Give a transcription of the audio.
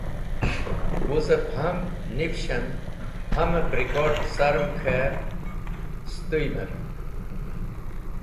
Wuzẽb ham nivishim hamẽb rikord̃ carẽm k̃hẽ setũymẽb.